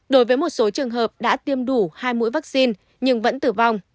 đối với một số trường hợp đã tiêm đủ hai mũi vaccine nhưng vẫn tử vong